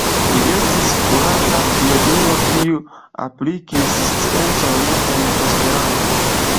Li estis kuraĝa pioniro kiu aplikis sciencon en Esperanto.